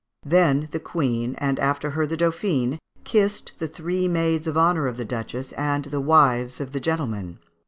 Then the Queen, and after her the Dauphine, kissed the three maids of honour of the Duchess and the wives of the gentlemen.